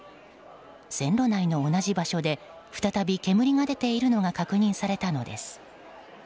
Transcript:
線路内の同じ場所で、再び煙が出ているのが確認されたのです。